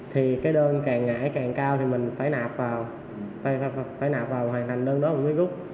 thì cái đơn càng ngày càng cao thì mình phải nạp vào phải nạp vào hoàn thành đơn đó là mới gúc